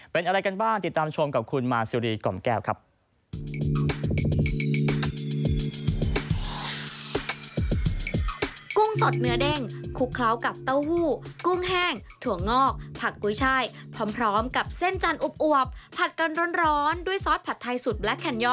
เป็นอะไรกันบ้างติดตามชมกับคุณมาซิรีกล่อมแก้วครับ